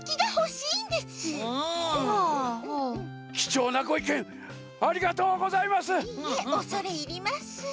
いいえおそれいります。